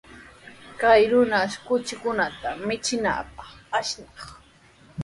Chay runashi kuchinkunata michinanpaq traskinaq.